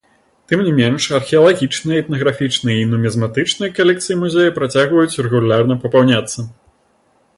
Тым не менш, археалагічная, этнаграфічная і нумізматычная калекцыі музея працягваюць рэгулярна папаўняцца.